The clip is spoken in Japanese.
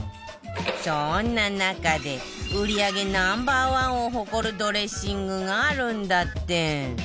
そんな中で売り上げ Ｎｏ．１ を誇るドレッシングがあるんだって